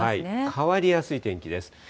変わりやすい天気です。